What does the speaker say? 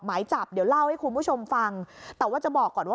หมายจับเดี๋ยวเล่าให้คุณผู้ชมฟังแต่ว่าจะบอกก่อนว่า